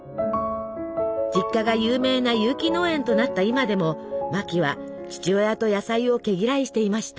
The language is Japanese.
実家が有名な有機農園となった今でもマキは父親と野菜を毛嫌いしていました。